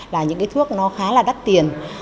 là những thuốc khá là đắt tiền